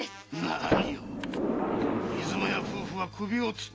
何を出雲屋夫婦は首をつったんじゃないか。